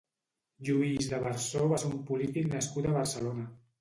Lluís d'Averçó va ser un polític nascut a Barcelona.